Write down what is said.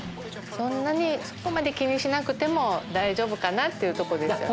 そんなにそこまで気にしなくても大丈夫かなっていうとこですよね。